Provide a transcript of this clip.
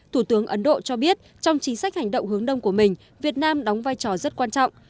thủ tướng ấn độ cho biết trong chính sách hành động hướng đông của mình việt nam đóng vai trò rất quan trọng